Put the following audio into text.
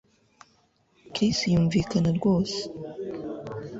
Chris yumvikana rwose